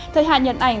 thời hạn nhận ảnh